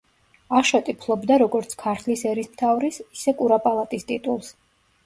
აშოტი ფლობდა როგორც ქართლის ერისმთავრის ისე კურაპალატის ტიტულს.